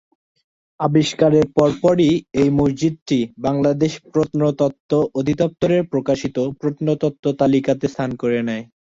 আবিষ্কারের পরপরই এ মসজিদটি বাংলাদেশ প্রত্নতত্ত্ব অধিদপ্তরের প্রকাশিত প্রত্নতত্ত্ব তালিকাতে স্থান করে নেয়।